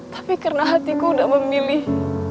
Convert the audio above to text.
tapi karena hatiku sudah memilih